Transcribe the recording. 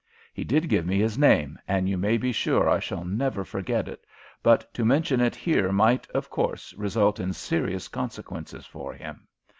He did give me his name, and you may be sure I shall never forget it, but to mention it here might, of course, result in serious consequences for him.